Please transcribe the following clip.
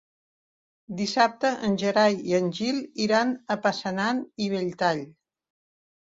Dissabte en Gerai i en Gil iran a Passanant i Belltall.